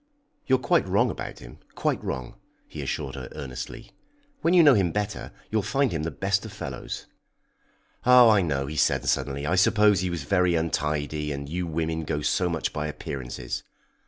"You are quite wrong about him quite wrong," he assured her earnestly. "When you know him better, you'll find him the best of fellows. Oh, I know," he said suddenly, "I suppose he was very untidy, and you women go so much by appearances!"